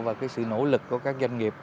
và cái sự nỗ lực của các doanh nghiệp